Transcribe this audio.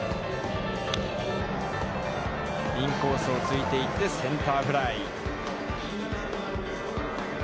インコースを突いていって、センターフライ。